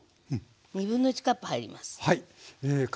1/2カップ入ります。